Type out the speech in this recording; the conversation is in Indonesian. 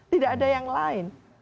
tidak ada yang lain